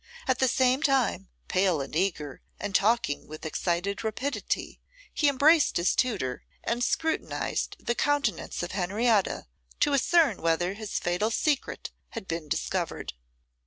At the same time, pale and eager, and talking with excited rapidity, he embraced his tutor, and scrutinised the countenance of Henrietta to ascertain whether his fatal secret had been discovered.